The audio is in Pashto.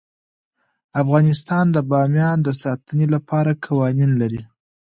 افغانستان د بامیان د ساتنې لپاره قوانین لري.